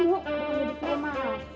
bukannya dia masuk